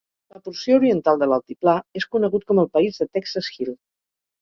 La porció oriental de l'altiplà és conegut com el país de Texas Hill.